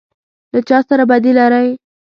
_ له چا سره بدي لری؟